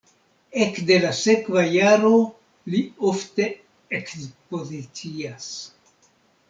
Ekde la sekva jaro li ofte ekspozicias.